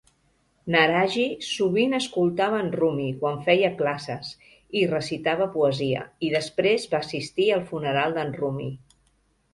N'Araghi sovint escoltava en Rumi quan feia classes i recitava poesia, i després va assistir al funeral d'en Rumi.